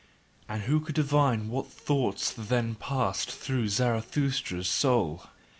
And who could divine what thoughts then passed through Zarathustra's soul?